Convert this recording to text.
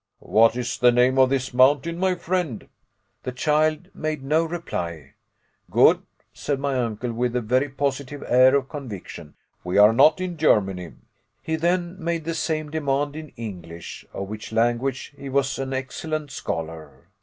"What is the name of this mountain, my friend?" The child made no reply. "Good," said my uncle, with a very positive air of conviction, "we are not in Germany." He then made the same demand in English, of which language he was an excellent scholar.